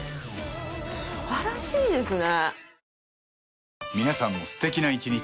素晴らしいですね。